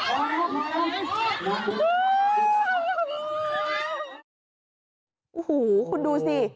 โอ้โหคุณดูสิ